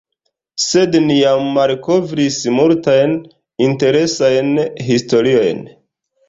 Sed ni jam malkovris multajn interesajn historiojn.